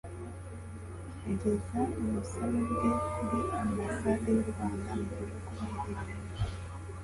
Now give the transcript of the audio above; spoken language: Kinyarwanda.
ageza ubusabe bwe kuri Ambasade y'u Rwanda mu gihugu aherereyemo.